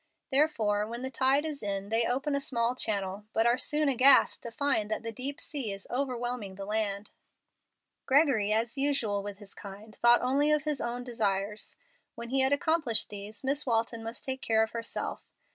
Therefore, when the tide is in they open a small channel, but are soon aghast to find that the deep sea is overwhelming the land. Gregory, as is usual with his kind, thought only of his own desires. When he had accomplished these Miss Walton must take care of herself.